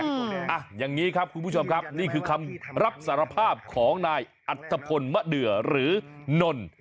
อ่ะอย่างนี้ครับคุณผู้ชมครับนี่คือคำรับสารภาพของนายอัฐพลมะเดือหรือนน